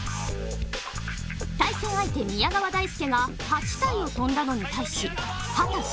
対戦相手・宮川大輔が、８体を跳んだのに対し、秦澄